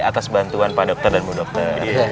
atas bantuan pak dokter dan ibu dokter